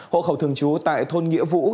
hộ khẩu thường trú tại thôn nghĩa vũ